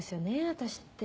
私って。